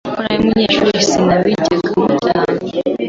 kuko nari umunyeshuri sinabijyamo cyane